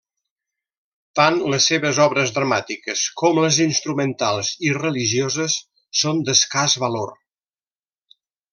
Tant les seves obres dramàtiques com les instrumentals i religioses, són d'escàs valor.